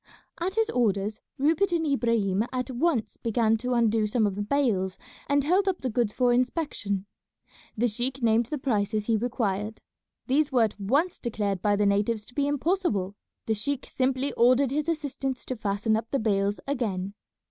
At his orders Rupert and Ibrahim at once began to undo some of the bales and held up the goods for inspection. The sheik named the prices he required. These were at once declared by the natives to be impossible. The sheik simply ordered his assistants to fasten up the bales again.